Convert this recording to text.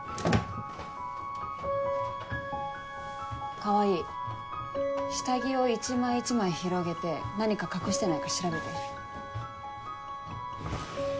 川合下着を一枚一枚広げて何か隠してないか調べて。